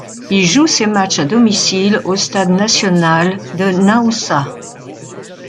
Il joue ses matchs à domicile au stade national de Naoussa.